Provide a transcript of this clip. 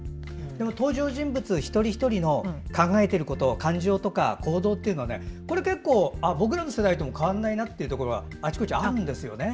登場人物一人一人の考えていること感情とか行動というのは結構、僕らの世代とも変わらないなというのがあちこちにあるんですよね。